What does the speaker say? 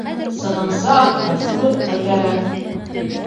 Сығымсы атҡа сыбыртҡы кәрәк.